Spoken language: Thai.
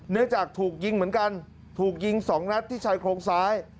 จากถูกยิงเหมือนกันถูกยิงสองนัดที่ชายโครงซ้าย